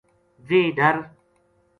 ویہ ڈر